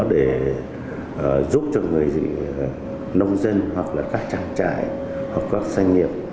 để giúp cho người nông dân hoặc là các trang trại hoặc các doanh nghiệp